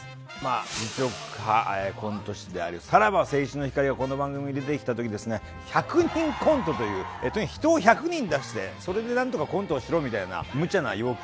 実力派コント師であるさらば青春の光がこの番組に出てきた時ですね１００人コントというとにかく人を１００人出してそれでなんとかコントをしろみたいなむちゃな要求を出してきたんですね。